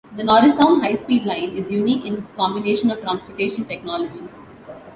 The Norristown High Speed Line is unique in its combination of transportation technologies.